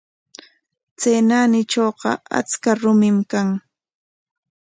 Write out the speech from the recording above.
Chay naanitrawqa achka rumim kan.